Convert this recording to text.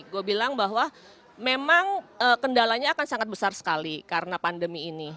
gue bilang bahwa memang kendalanya akan sangat besar sekali karena pandemi ini